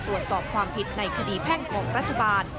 ตรวจสอบความผิดในคดีแพ่งของรัฐบาล